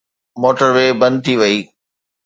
Motor وي بند ٿي وئي.